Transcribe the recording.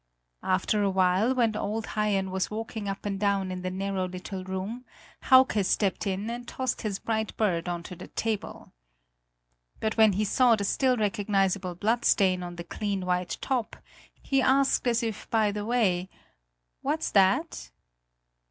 After a while, when old Haien was walking up and down in the narrow little room, Hauke stepped in and tossed his bright bird on to the table. But when he saw the still recognizable bloodstain on the clean white top, he asked as if by the way: "What's that?"